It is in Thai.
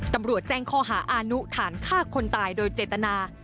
ตำรวจแจ้งข้อหาอานุฐานฆ่าคนตายโดยเจตนา